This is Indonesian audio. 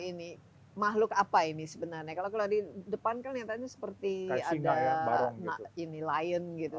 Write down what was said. ini makhluk apa ini sebenarnya kalau kalau di depan kalian tadi seperti ada ini lain gitu